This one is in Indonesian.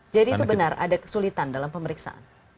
jadi itu benar ada kesulitan dalam pemeriksaan